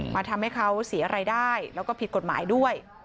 ทำให้เขาเสียรายได้แล้วก็ผิดกฎหมายด้วย